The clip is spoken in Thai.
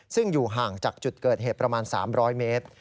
ซึ่งอยู่ห่างจากจุดเกิดเหตุประมาณ๓๐๐เมตร